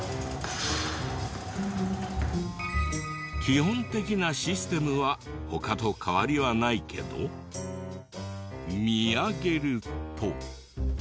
基本的なシステムは他と変わりはないけど見上げると。